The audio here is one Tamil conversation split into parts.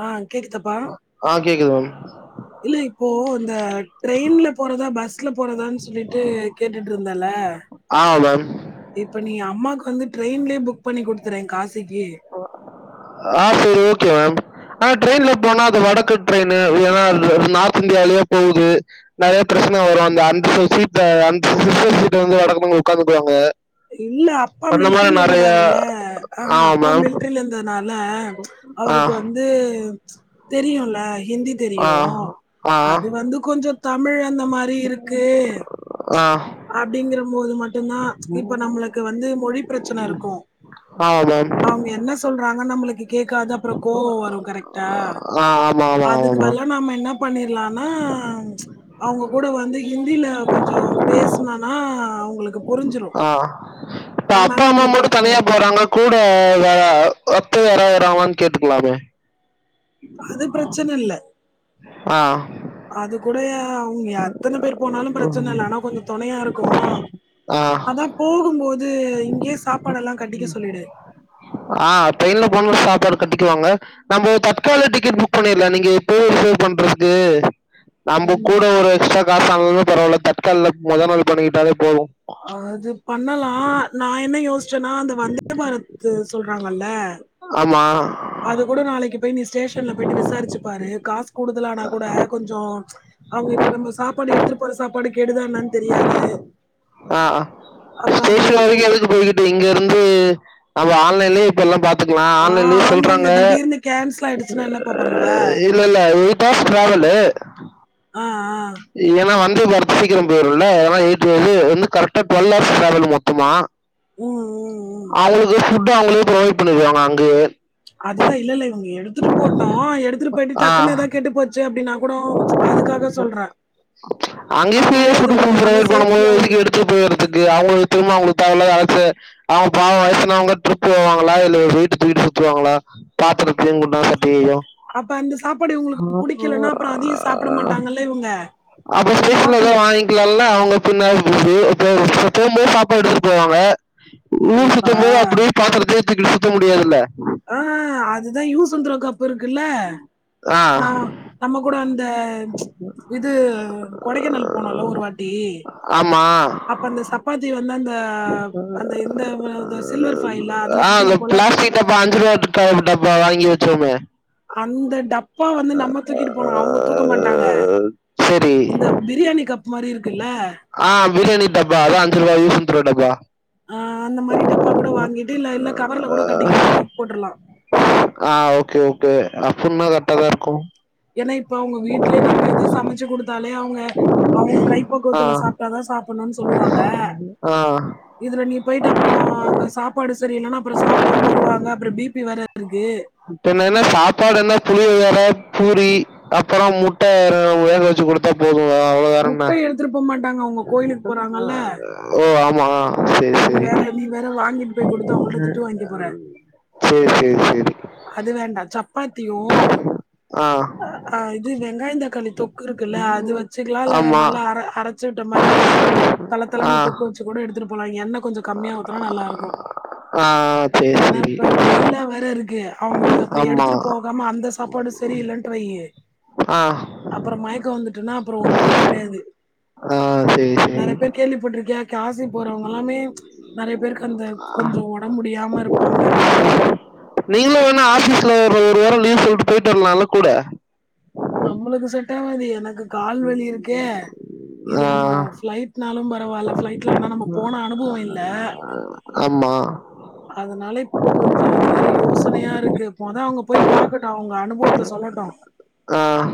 ஆ கேக்குதப்பா ஆ கேக்குது மேம். இல்ல இப் போ இந்த ட்ரெயின்ல போறதா பஸ்ல போறதான்னு சொல்லிட்டு கேட்டுட்டு இருந்தல ஆமா மேம். இப்ப நீ அம்மாக்கு வந்து டிரெயின்லயே புக் பண்ணி குடுத்துறே காசு ஆ சரி ஓகே மேம் ஆனா ட்ரெயின்ல போனா அது வடக்கு ட்ரெயின் ஏன்னா நார்த் இந்தியாலேயே போகுது நறைய பிரச்சனை வரும் அந்த சீட்ல அன்ரிசர்வ சீட்ல வடக்குனுங்க உட்காந்துக்குவாங்க இல்ல அப்பா அந்த மில்டரி மாரி நெறைய இருந்தாருல்ல ஆஹா ஆமா அப்பா மில் மேம். மில்டரில இருந்ததுனால ஆ. அவருக்கு வந்து தெரியும்ல ஹிந்தி ஆ. தெரியும் ஆ. அது வந்து கொஞ்சம் தமிழ அந்த மாதிரி இருக்கு ஆ அப்படிங்கற போது மட்டு மட்டுதான் இப்ப நம்மளுக்கு வந்து மொழி பிரச்சன இருக்கும் ஆமா மேம். அவங்க என்ன சொல்றாங் நம்மளுக்கு கேட்காத அப்புற கோவம் வரும் கரெக்ட்டா ஆஹ் ஆமா ஆமா ஆமா மேம் பண்ணிடலாம்னா அவங்க கூட வந்து ஹிந்தியில கொஞ்சம் பேசுனனா அவங்களுக்கு புரிஞ்சிரும். ஆஹ் இப்ப அப்பா அதனால அம்மா நம்மளுக்கு மட்டும் பிரச்சனை தனியா இல்ல. போறாங்க கூட வேற அப்ப யார யராமான்னு கேட்டுக்கலாமே அது பிரச்சன இல்ல ஆ. அது கூட அவங்க எத்தன பேர் போனாலும் பிரச்சன இல்ல ஆனா கொஞ்சம் துணையா இருக்கும் ஆ. அதான் போகும்போது இங்கயே சாப்பாடெல்லாம் கட்டிக்க சொல்லிடு ஆ ட்ரெயின்ல போனா கட்டிக்குவாங்க நம்போ தக்கால டிக்கெட் புக் பண்ணல நீங்க எப்போ சேவ் பண்றதுக்கு நம்ம உம் கூட ஒரு எக்ஸ்ட்ரா காசு ஆனாலும் பரவால தக்கால மொதல் நாள் பண்ணிக்கிட்டாலே போதும் அது பண்ணலாம் நா என்ன யோசு ன்னா அந்த வந்தே பாரத்து சொல்றாங்கல ஆமா அது கூட நாளைக்கி போய் நீ ஸ்டேஷன்ல போயிட்டு விசாரிச்சு பாரு காசு குடுக்கலனா கூட கொஞ்சம் அவங்க இப்ப நம்ம சாப்பாடு எடுத்துட்டு போற சாப்பாடு கெடுதான்னு தெரியாது ஆ அப்புறம் அது ஸ்டேஷன் வரைக்கும் எதுக்கு போய்கிட்டு இங்க இருந்து நம்ம ஆன்லைன்லய இப்ப எல்லாம் பாத் ஆஹ் ஆன்லைன் ல திடீர்னு கோன்சல் ஆயிடுஜு இல்ல இல்ல எயிட் ஹார்ஸ் ட்ராவலு ஆ ஆ நீங்கன்னா வந்து வந்து பார்த்தா சீக்கிரோ போயிருல்ல ஆனா வீட்டுக்கு வந்து கரெக்டா டுவெல்வ்ஹவர்ஸ் ட்ராவல் மொத்தமா ம், ம், ம். அதுக்கு வந்து ஃபுட் அவங்களே ப்ரொவைட் பண்ணருவாங்க அங்கயே அதுதா இல்லல்ல இவுங்ளுக் எடுத்துட்டு போட்டு எடுத்துட்டு போயிட்டு டக்குனு எதா கெட்டு போச்சு அப்படினா அங்கயே அது மாதிரி [unintelligible] அது கொஞ்சம் நல்லா பரொவைட் பண்ணும் போது சேஃப்டியாவும் எதுக்கு இருக்கும் எடுத்துட்டு போய்றதுக்கு அவுங்க திரும்ப அவுங்களுக்கு தேவ இல்லாத அழைச்ச அவுங்க பாவோ வயசானவங்க ட்ரிப் போவாங்களா இல்ல வெயிட் தூக்கிட்டு சுத்துவாங்களா பாத்திரத்தையு குண்டா சட் அப்ப அந்த சாப்பாடு இவுங்களுக்கு புடிக்கலனா அப்ப அதையு சாப்பிட மாட்டாங்கல்ல இவுங்க இவுங்க ஹோட்டல்ல பின்ன [unintelligible] போம்போது சாப்பாடு எடுத்துட்டு போவாங்க ஊர் இல்லப்பா சுத்தும்போது அப்டியே பாத்திரத் த தூக்கிட்டு சுத்த முடியாதுல்ல ஆஹ் அதுதா யூஸ் அன் த்ரோ கப் இருக்குல்ல ஆ நா நமக்கு கூட அந் த ப்ச் இது கொடைக்கானல் போனோல்ல ஒரு வாட்டி ஆமா அப்ப அந்த சப்பாத்தி வந்து அந்த அந்த இந்த சில்வர் ஃபைலா அதுல சுத்திட்டு போல புதுசா டப்பா வாங்கி வெச்சோமே அந்த டப்பா வந்து நம்ம தூக்கிட்டு ஆ, போனு அவுங்க தூக்க மாட்டாங்க சரி இந்த பிரியாணி கப் மாரி இருக்குல்ல ஆ பிரியாணி டப்பா அதா அஞ்சு ரூவா யூஸ் அன் த்ரோ டப்பா அஹ் அந்த மாரி டப்பா கூட வாங்கிட்டு இல்ல கவர்ல கூட கட்டிக்கல்லா தூக்கி போட்டுரலா அப்படினா கரெக்டாதா இருக்கு ஏனா இப்ப அவுங்க வீட்லயே நம்ம எதா சமச்சு குடுத்தாலே அவுங்க அவுங்க ஆ கைப்பக்குவத்துல சாப்பிட்டாதா சாப் பண்ணனு சொல்லுவாங்க ஆ இதுல நீ போய்ட்டு அப்புறோ அங்க சாப்பாடு சரி இல்லனா அப்புறோ சாப்பிடாம வருவாங்க அப்பறோ பி பி வேற இப்ப என்னனா சாப்பாடு என்ன புளி அ பூரி அப்புறோ முட்ட இ வேக வச்சு குடுத்தா போது முட்ட எடுத்துட்டு போ மாட் ஹ ஓ ஆம் மா சேரி நீ வேற சேரி நீ வேற வாங்கிட்டு போய் குடுத்து அவங்கள்ட்ட திட்டு வாங்கிக்க போற. சேரி சேரி சேரி அது வேண்டா சப் ப்பாத்தியு ஆ இது வெங்காயந் தக்காளி தொக்கு இருக்குல்ல அது வச்சுக்கலா இல்ல ஆமாம் நல்லா அ அரைச்சு விட்ட மாரி ஆ தலத்தளனு தொக்கு வச்சு கூட எடுத்துட்டு லா எண்ணெ கொஞ்ச கம்மியா ஊத்துனா நல்லா இருக்கு ஆ சரி ஏன்னா சரி இப்ப வெயிலா வேற இருக்கு அவங்களுக்கு அப்புற எடுத்துட்டு ஆமாம் போகாம அந்த சாப்பாடு சரியில்லன்ட்டு வையு ஆ அப்புற மயக்கம் வந்துட்டுன்னா அப்புற ஒண்ணும் பண்ண முடியாது ஆ சரி சரி நெறைய பேர் கேள்விப்பட்டிருக்கியா காசி போறவங்க எல்லாமே நெறைய பேருக்கு அந்த கொஞ்ச ஒடம்பு முடியாம இருப்பாங்க நீங்களு வேணா ஆபீஸ்ல ஒரு ஒரு வார லீவு சொல்ட்டு போயிட்டு வரலால்ல கூட நம்பளுக்கு செட்டாகாது எனக்கு கால்வலி இருக்கே இது நம்ம ஆ ஃபிளைட்னாலும் பரவால்ல ஃபிளைட்ல ஆனா நம்ம போன அனுபவ இல்ல ஆமா அதனால இப்போ கொஞ்ச அது வேற யோசனையா இருக்கு மொத அவங்க போய் பாக்கட்டு அவங்க அனுபவத்த சொல்லட்டு ஆஹ்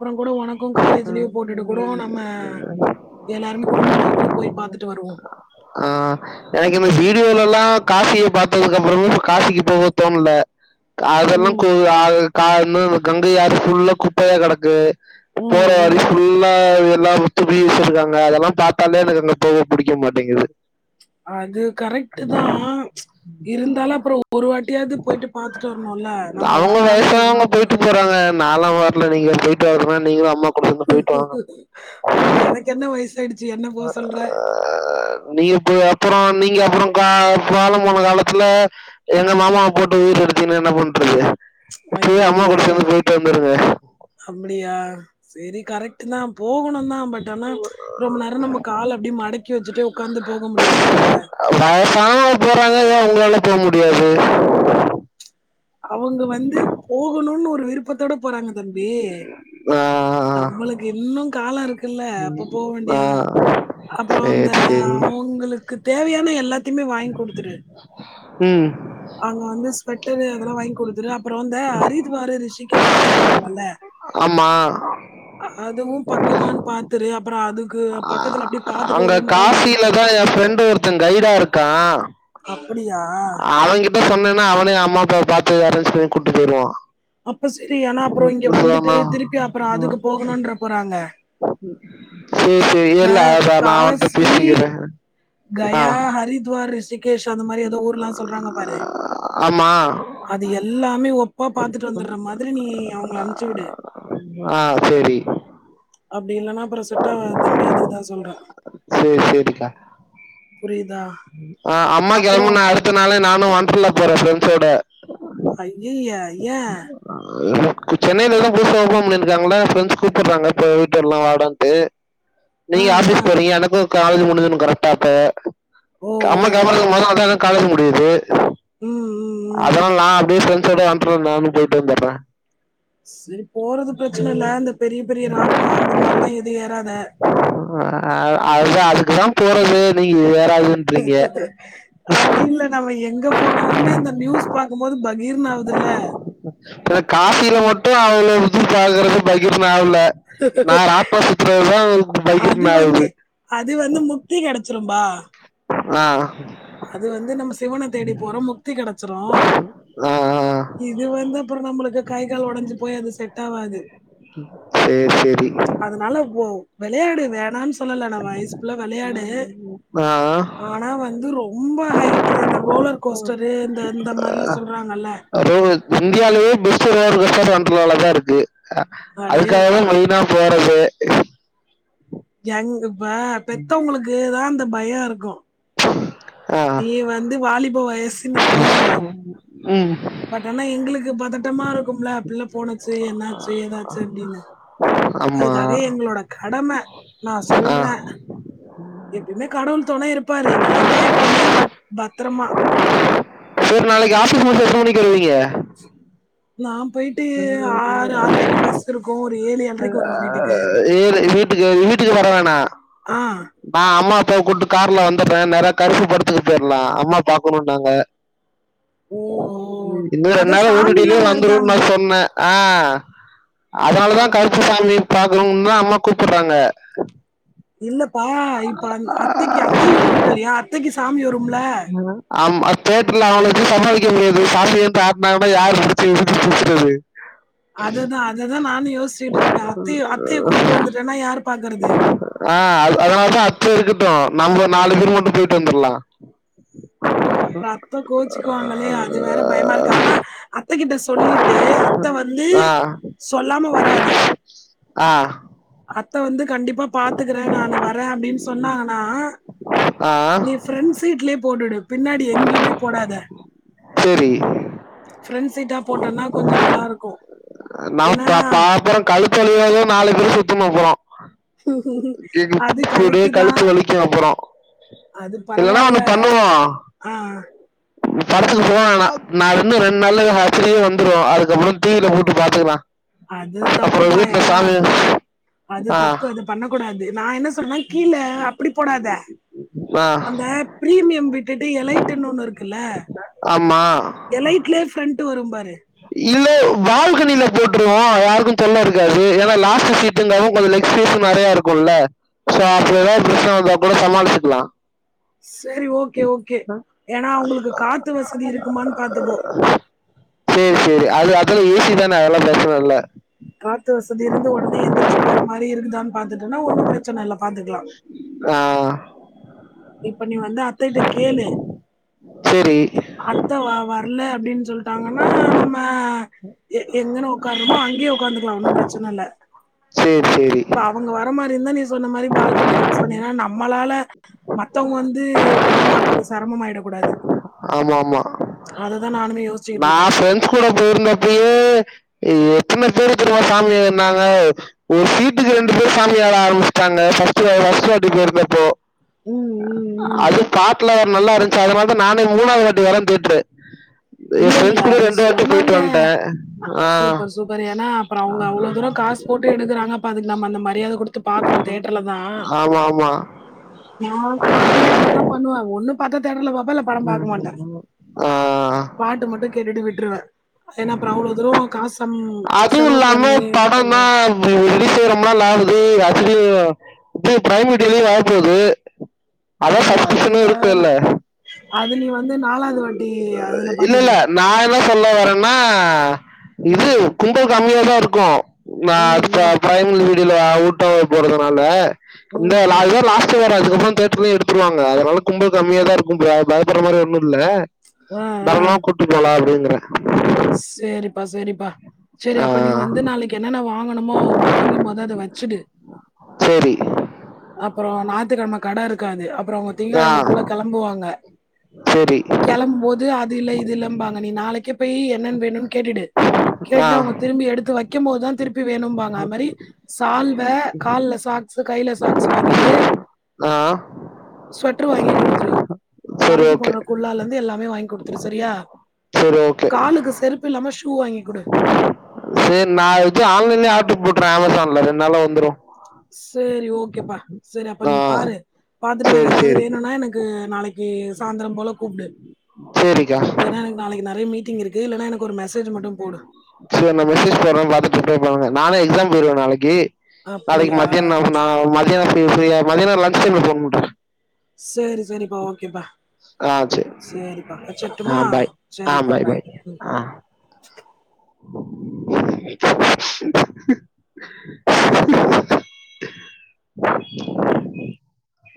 ப்புற கூட ஒனக் கு காலேஜ் லீவ் போட்டுட்டு கூட நம்ம எல்லாருமே குடும்பமா கூட போய் பாத்துட்டு வருவோ ஆஹ் எனக்கு இந்த வீடியோல எல்லா காசியை பாத்ததுக்கு அப்புறமு காசிக்கு போக தோணல அதெல்லா ம். [unintelligible] உம் கங்கையாறு ஃபுல்லா குப்பையா கெடக்கு போற ம். வழி ம். ஃபுல்லா எல்லா [unintelligible] இருக்காங்க அதெல்லாம் பாத்தாலே எனக்கு அங்க போக புடிக்க மாட்டிங்குது அது கரெக்ட்டு தா ம்ச் இருந்தாலு அப்புற ஒரு வாட்டியாவது போயிட்டு பாத்துட்டு வரணுல்ல நம்ம அவங்க வாழ்நாள்ல ஒரு வயசானவங்க நாள் போணு போயிட்டு போறாங்க நாலா வரல நீங்களே போயிட்டு வாங்கமா நீங்களு அம்மாவு அப்ப எனக்கு என்ன வயசாயிடுச் நீ போ அப்புற நீங்க அப்புற கா காலம் போன காலத்துல எங்க மாமாவ போட்டு உயர் எடுத்தீங்னா என்ன பண்றது இப்பயே அம்மா ஐயய்யோ! கூட சேந்து போயிட்டு வந்துருங்க சரி கரெக்ட்டு தா போகணுந்தா பட் ஆனா ம்ச் ரொம்ப நேர நம்ம கால அப்டி மடக்கி வச்சுட்டு உட்காந்து போக முடியாதுல்ல வயசானவங்க போறாங்க ஏன் உங்களால போக முடியாது அவங்க வந்து போகணுன்னு விருப்பத்தோட போறாங்க தம்பி ஆ நம்மளுக்கு இன்னு கால இருக்கு இல்ல அப்ப போக ஆ, ஆ. வேண்டியதா அப்புற சரி அந்த சரி அவங்குளுக்கு தேவையான எல்லாத்தையுமே வாங்கி குடுத்துரு உம் அங்க வந்து ஸ்வெட் ரூ அதல்லாம் வாங்கி குடுத்துரு அப்புறம் அந்த ஹரித்துவாரு ரிஷிகேஷ்லாம் சொல்றாங்கல்ல ஆமா அதுவும் பக்கமானு பாத்துரு அப்பற அதுக்கு ஆ, பக்கத்துல அப்படிப் அங்க காசியில தா எ ஃப்ரெண்டு் ஒருத்தன் ஃகைடா இருக் கா அப்படியா அவங்கிட்ட சொன்ன ன அவனே அம்மாப்ப பாத்து அரேஞ்ச் பண்ணி கூட்டு போயிருவா அப்ப சரி ஆனா அப்புறம் இங்க வந்துட்டு நான் திருப்பி அப்புறம் அதுக்கு போகணுன்ற போறாங்க இந்த எல்ல நா அவன்ட காசி பேசிக்கற ஆ [unintelligible] கேஷ் அந்த மாரி ஏதோ ஊரல்லா சொல்றாங்க பாரு ஆமா அது எல்லாமே ஒப்பா பாத்துட்டு வந்துடுறா மாரி நீ அவங்கள அனுப்ச்சு விடு ஆ சரி அப்படி இல்லைன்னா அப்புறம் செட்டாகுது தம்பி அதுக்குதா சொல்றே சரி சரிக்கா புரியுதா ஆ அம்மா அப்புறம் கெளம்புன அடுத்த நாளே நா வொன்ட்றலா போற ப்ரெண்ட்ஸோட அய்யய ஏ இப்போ சென்னையிலதா புதுசா ஓபன் பண்ணிருக்காங்களா ரெண்ட்ஸ் கூப்பிடுறாங்க போயிட்டு வரல் வாடான்ட்டு ஆ நீங்க ஆ. ஆபீஸ் போறீங்க எனக்கு காலேஜ் முடிஞ்துன்னு கரெக்டாப்ப ஓ அம்மா ஓ கேப்பாங்க மொத வந்த கல முடியுது ம் ம், ம். அதா நான் அப்படியே பிரெண்ட் ட அந்த நானும் போய்ட்டு வந்தட்ர செரி போறது பிரச்சனை இல்ல இந்த பெரிய பெரிய ராட்னம் இந்த மாரிலா எதுவு ஏறாத ஆ, அதுதான் அதுக்கு தான் போறது நீங்க வி அப்டி இல்ல நம்ம எங்க போனாலுமே இந்த நியூஸ் பாக்கும்போது பகீர்ன்னு ஆவூதுல்ல காபியில மட்டு அவ்ளவு இது பாக்குறது பகீர்னா ல நான் ராட்னம் சுத்துறதுதா உங்ளுக்கு அது பகீர்னு ஆகுது ரும்பா ஆ அது வந்து நம்ம சிவன தேடி போறோ முக்தி கெடச்சுரு ஆ ஆ இது வந்து அப்ரொ நம்ளுக்கு கை கால் ஓடஞ்சு போய் அது செட் டாவாது சேர் சேரி வெளையாடு வேணான்னு சொல்லல நா வயசு பிள்ள வெளையாடு ஆ. ஆனா வந்து ரொ ரொம்ப ஹைட்ல இந்த ரோலர் கோஸ்டரு இந்த இந்த மாரிலா சொல்றாங்கல்ல ரோ இந்தியாலேயே பெஸ்ட் ரோளர் [unintelligible] இருக்கு அடே அதுக்காகதா அப்பா, மெயினா போறதே ஜங் [unintelligible] இப்ப பெத்தவுங்களுக்கு தான் அந்த பயோ இருக்கு ஆ. நீ வந்து வாலிப வயசு நீ போய்டுற ம். பட் ஆனா எங்களுக்கு பதட் டமா இருக்கும்ல பிள்ள போனுச்சு என்னாச்சு ஏதாச்சு அப்டின்னு ஆமா. அதுக்காக எங்களோட கடம நா ஆ. சொல்றே எப்பயுமே கடவுள் தொனை இருப்பாரு நீ என்ஜாய் பண்ணு பட் பத்ரமா சரி நாளைக்கு ஆபீஸ் முடிஞ்சு எத்தன மணிக்கு வருவீங்க நா போயிட்டு ஆறு ஆரைக்கு பஸ் இருக்கு ஏழு [unintelligible] கு வீட்டுக்கு வரவேனா ஆஹ் நா அம்மா அப்பா கூப்டு கார்ல வந்துறே நேரா கருப்பு படத்துக்கு போயிரலா அம்மா பாக்கனுன்னாங்க ஓ ஓ. ம் இன்னு ரெண்டு அதான் நாள்ள ஓ டி சாமி டிலயே எல்லாம் வந்துருன்னு நா வருதாமே சொன்னே ஆஹ் அதுனாலதா சாமி கருப்பு சாமி பாக்கணுன்னு தா அம்மா கூப்பட்றாங்க இல்ல பா இப்ப அ அத்தைக்கு அத்தையு கூட்டிட்டு வரியா அத்தைக்கி சாமி வரு ஆமா தேட்ருல அவுங்கள வச்சு சமாளிக்க முடியாது சாமி அப்பு ஆட்னாங்கனா யாரு புடுச்சு [inaudible] அததான் அததான் நானும் யோஷ்ச்சுட்ருக்கறே அத்தைய அத்தைய கூட்டு வந்துட்டேன்னா யாரு பா ஆஹ் அதுனால தா அத்த இருக்கட்டும் நம்ம நாலு பேர் மட்டும் போய்ட்டு வந்துர்லாம் அப்புறம் அத்த கோச்சுக்குவாங்களே அது வேற பயமா இருக்கு ஆனா அத்தகிட்ட சொ சொல்லிட்டு அத்தை வந்து சொல்லாம வராத ஆ அத்த வந்து கண்டிப்பா பாத்துக்கறே நானு வரே அப்படின்னு சொன்னாங்கன்னா ஆஹ் நீ ஃபிரெண்ட் சீட்லயே போட்டுடு பின்னாடி எங்கேயுமே போடாத சரி ஃபிரெண்ட் சீட்டா போட்டோனா கொஞ்ச நல்லா இருக்கு நான் ஏன்னா பா- பா- அப்புறம் கழுத்து வலியாத [unintelligible] அது கரெக்ட் [unintelligible] தான் கழுத்து வலிக்கு அப்பற அது இல்லன்னா ஒண்ணு பரவாயில்ல பண்ணுவோ ஆ படத்துக்கு போ வேணா நா வந்து ரெண்டு நாள்ல [unintelligible] வந்துரு அதுக்கப்புற டி வி ல போட்டு பாத்துக்கலா அது தப்பு பா ஏனா அது ஆஹ் தப்பு அது பண்ண கூடாது நா என்ன சொல்றனா கீழ அப்பிடி போடாத ஆஹ் அந்த பிரீமியம் விட் டுட்டு எலைட்ன்னு ஒன்னுரு க்குல்ல ஆமா ட்டு வரும் பாரு இல்ல பால்கனில போட்டுருவோ யாருக்கும் தொல்ல இருக்காது ஏனா லாஸ்ட்டு சீட்டுங்கவு கொஞ்சோ லெக் சைஸு நெறையா இருக்குல்ல சோ அப்டி எதாது பிரச்சன வந்தா கூட சமாளிச்சுக்கலா செரி ஓகே ஓகே ஏனா அவங்களுக்கு காத்து வசதி இருக்குமான் பாத்துக்கோ சேரி சேரி அது அதலா ஈசி தான அதெல்லா பிரச்சனல்ல காத்து வசதி இருந்து ஒடனே எந்திரிச்சி போற மாரி இருக்குதான் பாத்துட்டன்ன ஒன்னு பிரச்சனல்ல பாத் ஆஹ் இப்ப நீ வந்து அத்தக்ட்ட கேளு சரி அத்த வ வரல அப்டின் சொல்ட்டாங்கன்னா நம்ம எ எங்கன ஒக்கார்றமோ அங்கேயே ஒக்காந்துக்கலா ஒன்னு பிரச்சனல்ல சரி சரி இப்ப அவங்க வர மார்ரிந்தா நீ சொன்ன மாரி பால்கனி ஃபிக்ஸ் பண்ணிர்லா நம்மளால மத்தவ்ங்க வந்து படோ பாக்கறது செரமமாயிடக் கூடாது ஆமா ஆமா அத தா நானுமே யோஸ்ச்சிகிட்ருக்கே நான் எத்தன பேரு தெரிமா சாமி ஆட்னாங்க ஒரு சீட்டுக்கு ரெண்டு பேர் சாமி ஆட ஆரம்பிச் ட்டாங்க ஃபஸ்ட் ஃபஸ்ட் வாட்டி போயிருந்தப்போ ம், ம், ம். அது காட்டுல நல்லாரு சோ அதனாலதா நானே மூணாது வாட்டி வரே தேட்டரு என் இல்லெல்ல ஃப்ரெண்ட்ஸ் கூட அது ரெண்டு வாட்டி போயிட்டு சொன்னாங்க வந்துட்டேன் ஆ சூப்பர் சூப்பர் ஏனா அப்பறொ அவுங்க அவ்ளோ தூரொ காஸ் போட்டு எடுகுறாங்க அப்ப அதுக் நம்ம அந்த மரியாத குடுத்து பாக் குனு தேட்டர்ல தா ஆமா ஆமா நா நானுமே அதுதா பண்ணுவ ஒன்னு ம் ம் ஆ பாட்டு மட்டு கேட்டுட்டு விட்ருவ ஏனா அப்பறொ அவ்ளோ தூரொ காசம் அதுவும் செலவு இல்லாம பண்ணி இது படம் பண்றொ [unintelligible] ஆ போது அதா இல்ல அது ஃபஸ்டிஷனு இருக்குல்ல வேணாம். அது நீ வ இல்லெல்ல நா என்ன சொல்ல வரென்னா இது ம். கும்ப கம்மியாதாருக்கு நா ம். ப ம். ப்ரைமில் டில ஊட்டோவா போறதுனால இந்த ம். லா ம். இதோட லாஸ்ட்டு வேற அது அதுக்கப்ற தேட்டர்லே எடுத்துருவாங்க அதனால கும்பல் கம்மியாதாருக்கும்போ பயப்புடற மாரி ஒன்னும் முல்ல தாரளமா கூட்டு போலா அப்டினு அ சேரிப் பா சேரிப்பா சேரி ஆ அப்ப நீ வந்து நாளைக்கு என்னன்ன வாங் ங்கணுமோ வாங்கி மொத அத வச்சுடு சரி அப்பறோ நாய்த்துக்கெழம கட இருக்காது அப்புறோ அவுங்க ஆ திங்ககெழம போல கெளம்புவாங்க சரி கெளம்பும் போது அது இல்ல இது இல்லம்பாங்க நீ நாளைக்கே போய் என்னன் வேணுன் கேட்டுடு ஆ கேட்டுட்டு அவுங்க திரும்பி எடுத்து வக் கிம்போதா திருப் பி வேணும்பாங்க அம்மாரி சால் வ கால்ல சாக்ஸு கைல சாக் ஸ் வாங்கிடு ஆ ஸ்வெட்ரு வாங்கி குடுத்துரு சரி தலைக்கு ஓகே போற குல்லாலந்து எல்லா மே வாங்குடுத்துரு சரியா சரி ஓகே காலுக்கு செருப்பில்லாம ஷு சூ வாங்கி குடு சேரி நா வச்சு ஆன்லைன்லயே ஆர்டர் போட்டுறே அமேசான்ல ரெண்டுனால்ல வந்துரு சேரி ஓகேப்பா செரி அப்ப ஆ நீ பாரு பாத்துட்டு வேற சரி ஏதாது சரி வேணுன்னா எனக்கு நாளைக்கு சாந்தரோ போல கூப்டு சேரிக்கா நெறய மீட்டிங் இருக் கு இல்லேன்னா எனக்கு ஒரு மெசேஜ் மட்டு போடு சோ நா மெசேஜ் போட்றே பாத்துட்டு ரிப்ளே பண்ணுங்க நானே எக்ஸாம் போயிருவே நாளைக்கி நாளைக்கி அப்படியா? மதிய நா நா மத்யானோ நீங்க ஃப்ரீயா மதியானம் லன்ஞ்ச் டைம்ல போன் பண்ற சேரி சேரிப்பா ஓகேப்பா ஆ சரி சேரிப்பா வச்சிற்ட்டுமா ஆ பாய் ஆ சேரிப்பா பாய் ம் ஆ